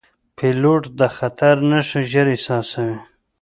پیلوټ د خطر نښې ژر احساسوي.